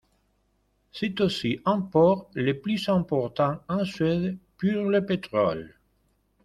C'est aussi un port, le plus important en Suède pour le pétrole.